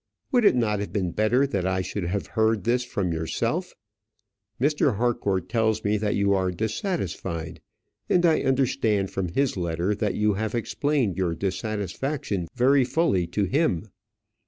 Would it not have been better that I should have heard this from yourself? Mr. Harcourt tells me that you are dissatisfied; and I understand from his letter that you have explained your dissatisfaction very fully to him.